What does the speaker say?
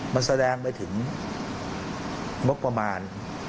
มันแสดงไปถึงงบประมาณ